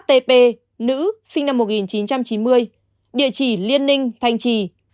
t nữ sinh năm một nghìn chín trăm chín mươi địa chỉ liên ninh thanh trì